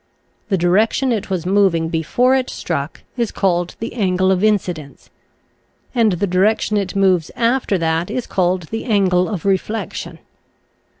The direction it was moving before it struck is called the angle of incidence, and the direction it moves after that is called the angle of reflection.